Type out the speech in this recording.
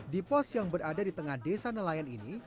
di pos yang berada di tengah desa nelayan ini